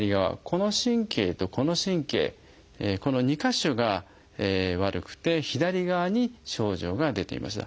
この神経とこの神経この２か所が悪くて左側に症状が出ていました。